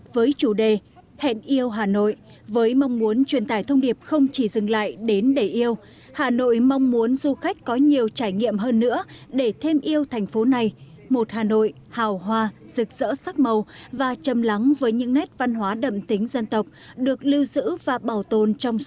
và nhiễm thêm nhiễm trùng